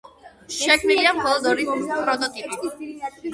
შექმნილია მხოლოდ ორი პროტოტიპი.